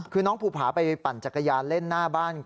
คือน้องภูผาไปปั่นจักรยานเล่นหน้าบ้าน